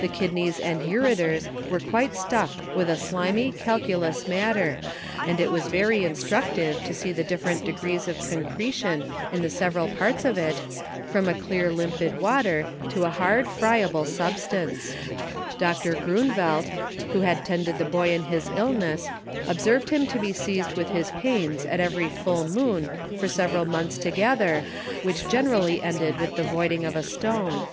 The Kidneys and Ureters were quite stuffed with a slimy calculous Matter, and it was very instructive to see the different degrees of Concretion in the several parts of it, from a clear limpid Water, to a hard friable Substance. Dr. Groenvelt, who had tended the Boy in his Illness, observed him to be seized with his Pains at every Full Moon for several Months together, which generally ended with the voiding of a Stone.